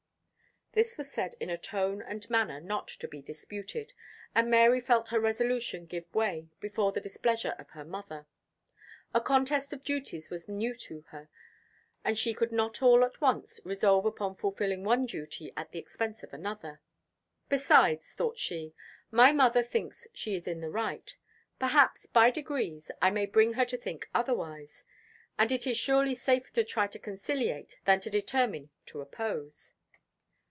This was said in a tone and manner not to be disputed, and Mary felt her resolution give way before the displeasure of her mother. A contest of duties was new to her, and she could not all at once resolve upon fulfilling one duty at the expense of another. "Besides," thought she, "my mother thinks she is in the right. Perhaps, by degrees, I may bring her to think otherwise; and it is surely safer to try to conciliate than to determine to oppose."